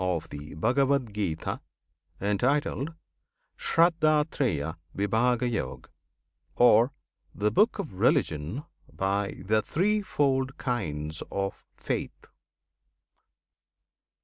OF THE BHAGAVAD GITA, Entitled "Sraddhatrayavibhagayog," Or "The Book of Religion by the Threefold Kinds of Faith."